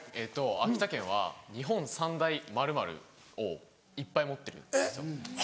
秋田県は日本三大○○をいっぱい持ってるんですよ。